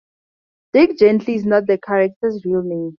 "Dirk Gently" is not the character's real name.